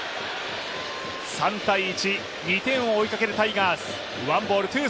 ３−１、２点を追いかけるタイガース。